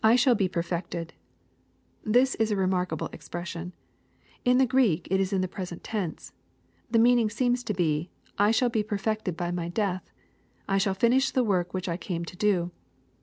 [I shalL he perfected^ This is a remarkable expression. In the Greek it is in the present tense. The meaning seems to be, " I shall be perfected by my death. — I shall finish the work which I came to do."